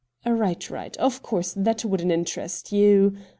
'Eight, right — of course that wouldn't interest you.